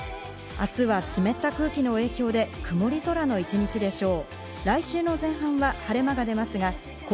明日は湿った空気の影響で曇り空の一日でしょう。